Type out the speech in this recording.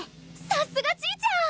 さすがちぃちゃん！